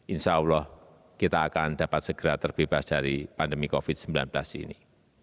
insya allah kita akan dapat segera terbebas dari pandemi covid sembilan belas ini